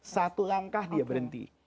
satu langkah dia berhenti